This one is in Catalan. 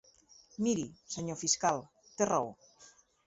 Miri, senyor fiscal, té raó.